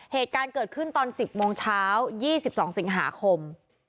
เหตุการณ์เกิดขึ้นตอน๑๐โมงเช้า๒๒สิงหาคม